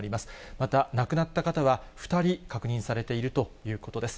また、亡くなった方は２人確認されているということです。